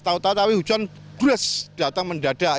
tahu tahu hujan brus datang mendadak